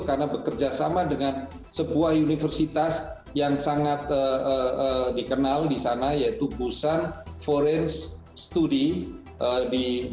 karena bekerjasama dengan sebuah universitas yang sangat dikenal di sana yaitu busan foreign studies